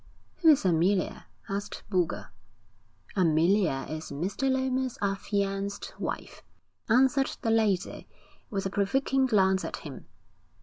'Who is Amelia?' asked Boulger. 'Amelia is Mr. Lomas' affianced wife,' answered the lady, with a provoking glance at him.